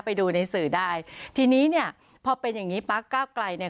ไปดูในสื่อได้ทีนี้เนี่ยพอเป็นอย่างงี้ปั๊กก้าวไกลเนี่ย